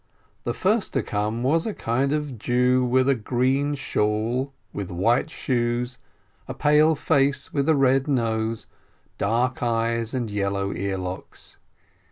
The first to come was a kind of Jew with a green shawl, with white shoes, a pale face with a red nose, dark eyes, and yellow earlocks.